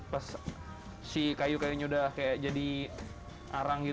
pas si kayu kayaknya udah kayak jadi arang gitu